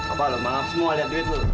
apa lo malam semua lihat duit lo